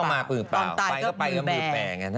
ก็ออกมามือเปล่าตอนตายก็ไปก็มือแปลง